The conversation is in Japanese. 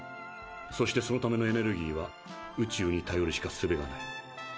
そしてそのためのエネルギーは宇宙にたよるしかすべがない。